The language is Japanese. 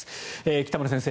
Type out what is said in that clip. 北村先生